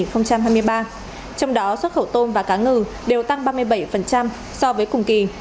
trong đó xuất khẩu tôm và cá ngừ đều tăng ba mươi bảy so với cùng kỳ